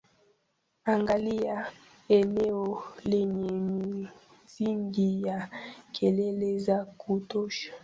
angalia eneo lenye misingi ya kelele za kutosha